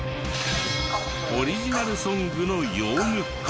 オリジナルソングのヨウムか？